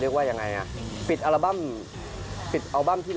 อย่างไรอันนี้เป็นผลิตของริ้นครับ